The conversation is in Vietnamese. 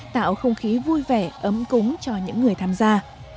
tạo không khí vui vẻ ấm cúng cho những người tham gia